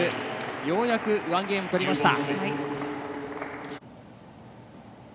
ようやく１ゲーム取りました。